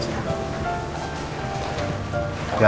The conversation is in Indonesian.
terima kasih pak